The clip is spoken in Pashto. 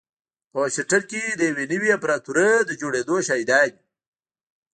په واشنګټن کې د يوې نوې امپراتورۍ د جوړېدو شاهدان يو.